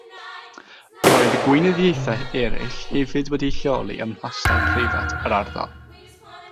Roedd Gweinyddiaethau eraill hefyd wedi'u lleoli ym mhlastai preifat yr ardal.